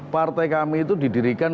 partai kami itu didirikan